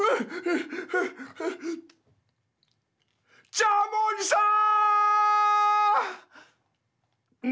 ジャムおじさん！